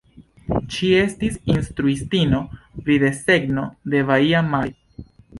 Ŝi estis instruistino pri desegno en Baia Mare.